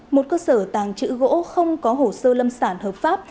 một cơ sở tàng trữ gỗ không có hồ sơ lâm sản hợp pháp